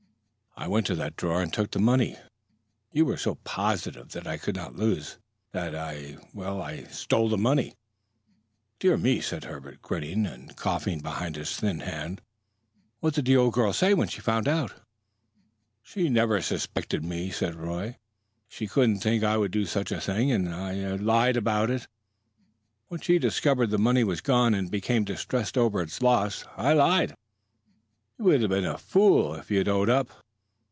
I went into that drawer and took that money. You were so positive that I could not lose that I well, I stole the money." "Dear me!" said Herbert, grinning and coughing behind his thin hand. "What did the old girl say when she found it out?" "She never suspected me," said Roy. "She couldn't think I would do such a thing. And I I lied about it. When she discovered the money was gone and became distressed over its loss, I lied." "You would have been a fool if you'd owned up."